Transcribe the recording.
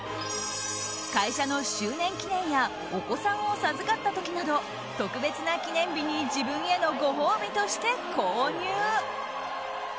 会社の周年記念やお子さんを授かった時など特別な記念日に自分へのご褒美として購入。